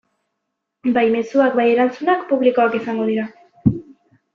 Bai mezuak bai erantzunak publikoak izango dira.